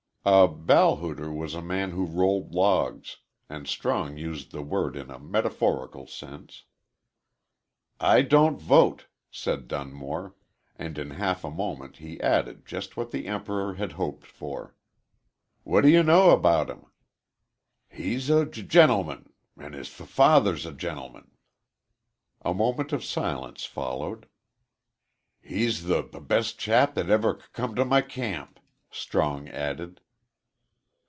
A "ballhooter" was a man who rolled logs, and Strong used the word in a metaphorical sense. "I don't vote," said Dunmore, and in half a moment he added just what the Emperor had hoped for: "What do you know about him?" "He's a g gentleman an' his f father's a gentleman." A moment of silence followed. "He's the b best chap that ever c come to my camp," Strong added.